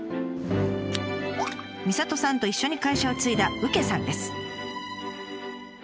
みさとさんと一緒に会社を継いだうけさんです。